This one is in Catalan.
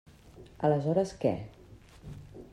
Aleshores, què?